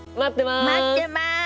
待ってます！